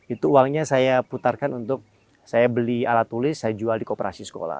itu uangnya saya putarkan untuk saya beli alat tulis saya jual di koperasi sekolah